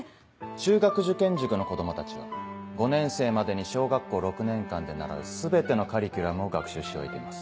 中学受験塾の子供たちは５年生までに小学校６年間で習う全てのカリキュラムを学習し終えています。